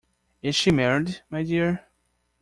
Is she married, my dear?